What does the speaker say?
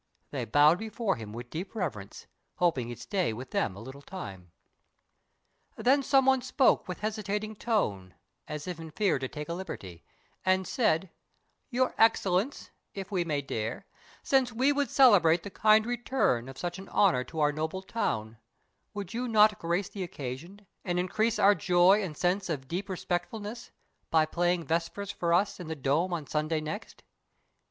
They bowed before him with deep reverence, Hoping he'd stay with them a little time. Then some one spoke with hesitating tone, As if in fear to take a liberty, And said: "Your Excellence—if we might dare— Since we would celebrate the kind return Of such an Honour to our noble town, Would you not grace the occasion, and increase Our joy and sense of deep respectfulness, By playing Vespers for us in the Dome On Sunday next?"